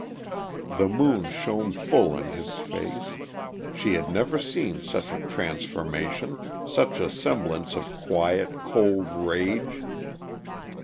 The moon shone full in his face; she had never seen such a transformation, such a semblance of quiet, cold rage.